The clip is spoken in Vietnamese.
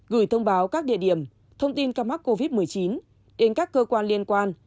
gửi thông báo các địa điểm thông tin ca mắc covid một mươi chín đến các cơ quan liên quan